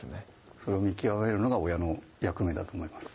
それを見極めるのが親の役目だと思います